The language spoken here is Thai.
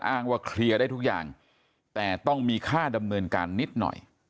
ว่าเคลียร์ได้ทุกอย่างแต่ต้องมีค่าดำเนินการนิดหน่อย